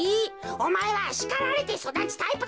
おまえはしかられてそだつタイプだ。